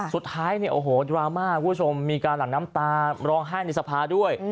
สุดท้ายเนี่ยโอ้โหดราม่าคุณผู้ชมมีการหลังน้ำตาร้องไห้ในสภาด้วย